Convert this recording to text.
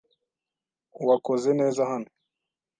Wakoze neza hano.